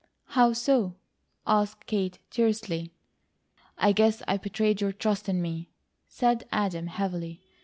"How so?" asked Kate, tersely. "I guess I betrayed your trust in me," said Adam, heavily.